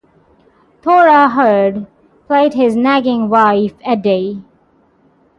Thora Hird played his nagging wife Edie.